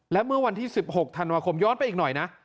และเมื่อวันที่๑๖ธันวาคมย้อนไปอีกหน่อยนะ